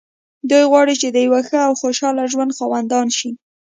دوی غواړي چې د يوه ښه او خوشحاله ژوند خاوندان شي.